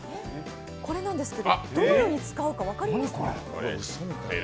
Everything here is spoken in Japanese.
これなんですけど、どのように使うか分かりますか？